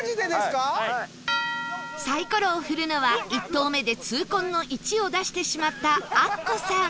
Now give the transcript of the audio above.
サイコロを振るのは１投目で痛恨の１を出してしまったアッコさん